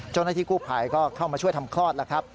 เจ้าหน้าที่กู้ภัยก็เข้ามาช่วยทำคลอดแล้วครับ